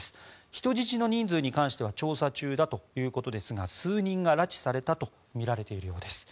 人質の人数に関しては調査中だということですが数人が拉致されたとみられているということです。